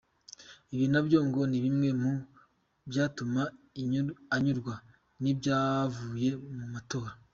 Ibi nabyo ngo ni bimwe mu byatumye anyurwa n’ ibyavuye mu matora.